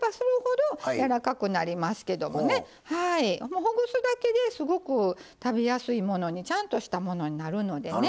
もうほぐすだけですごく食べやすいものにちゃんとしたものになるのでね。